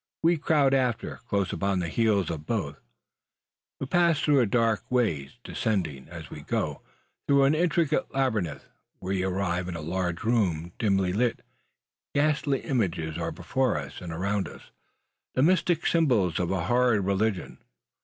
We crowd after, close upon the heels of both. We pass through dark ways, descending, as we go, through an intricate labyrinth. We arrive in a large room, dimly lighted. Ghastly images are before us and around us, the mystic symbols of a horrid religion!